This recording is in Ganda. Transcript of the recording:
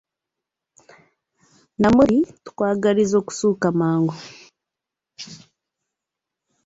Namuli, tukwagaliza okussuuka amangu!